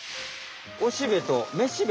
おしべとめしべ？